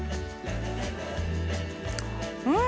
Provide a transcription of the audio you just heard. うん！